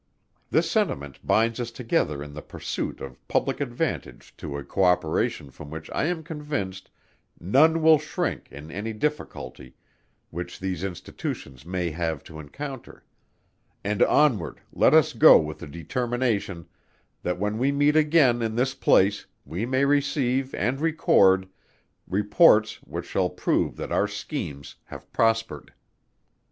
This sentiment binds us together in the pursuit of public advantage to a co operation from which I am convinced none will shrink in any difficulty which these Institutions may have to encounter; and onward let us go with a determination that when we meet again in this place, we may receive, and record, reports which shall prove that our schemes have prospered.